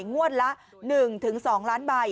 งวดละ๑๒ล้านใบ